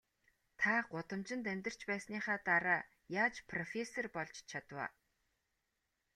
Та гудамжинд амьдарч байсныхаа дараа яаж профессор болж чадав аа?